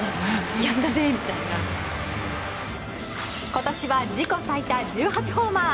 今年は自己最多１８ホーマー！